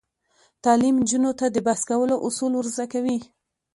تعلیم نجونو ته د بحث کولو اصول ور زده کوي.